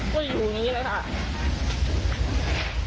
ก็อยู่อย่างนี้เลยค่ะ